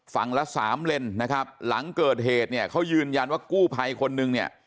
ฝั่งละ๓เลนนะครับหลังเกิดเหตุไว้ก็ยืนยันว่ากู้ภัยคนนึงเนี่ย